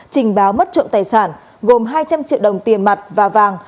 trình báo mất trộm tài sản gồm hai trăm linh triệu đồng tiền mặt và vàng